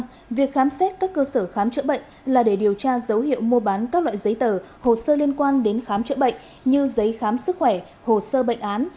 vì vậy việc khám xét các cơ sở khám chữa bệnh là để điều tra dấu hiệu mua bán các loại giấy tờ hồ sơ liên quan đến khám chữa bệnh như giấy khám sức khỏe hồ sơ bệnh án